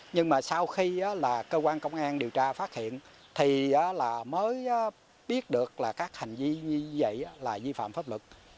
nhưng mà sau khi là cơ quan công an điều tra phát hiện thì mới biết được là các hành vi như vậy là vi phạm pháp luật